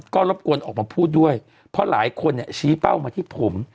ก็รบกวนออกมาพูดด้วยเพราะหลายคนเนี่ยชี้เป้ามาที่ผม